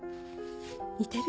似てる？